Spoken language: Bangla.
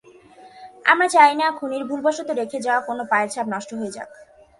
আমরা চাই না খুনির ভুলবশত রেখে যাওয়া কোনো পায়ের ছাপ নষ্ট হয়ে যাক।